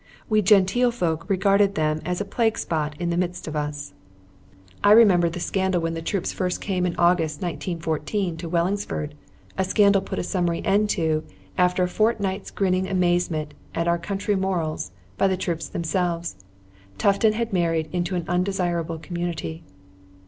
We genteel folk regarded them as a plague spot in the midst of us. I remember the scandal when the troops first came in August, 1914, to Wellingsford a scandal put a summary end to, after a fortnight's grinning amazement at our country morals, by the troops themselves. Tufton had married into an undesirable community.